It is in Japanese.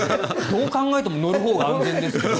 どう考えても乗るほうが安全ですけど。